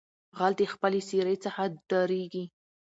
ـ غل دې خپلې سېرې څخه ډاريږي.